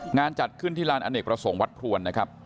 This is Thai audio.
จัดขึ้นที่ลานอเนกประสงค์วัดพรวนนะครับ